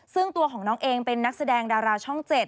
ซึ่งตัวของน้องเองเป็นนักแสดงดาราช่อง๗